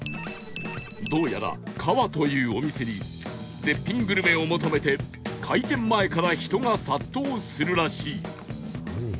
どうやらカワというお店に絶品グルメを求めて開店前から人が殺到するらしい